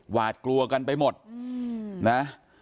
หวาดกลัวกันไปหมดนะ